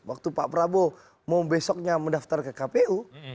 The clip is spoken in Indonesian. waktu pak prabowo mau besoknya mendaftar ke kpu